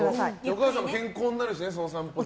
お母さんも健康になるしねその散歩で。